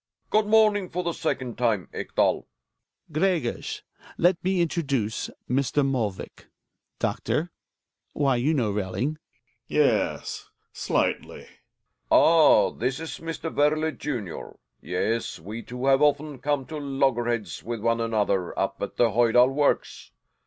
Good morning for the second time, Ekdal. Hjalmar. Gregers, let me introduce Mr. Molvik; doctor Why you know Belling. Gkegeks. Yes, slightly. Kelling. Ah ! This is Mr. "Werle, junior. Yes, we two have often come to loggerheads with one another up at the Hojdal Works.